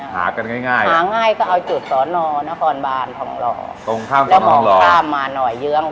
หากันง่ายหาง่ายก็เอาจุดสอนอนครบานทองรอตรงข้ามสอนอนรอแล้วก็มองข้ามมาหน่อยเยื้อง